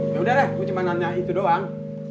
ya udah deh gue cuma nanya itu doang